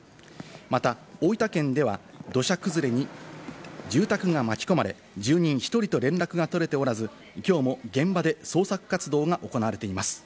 また、大分県では土砂崩れに住宅が巻き込まれ、住人１人と連絡が取れておらず、きょうも現場で捜索活動が行われています。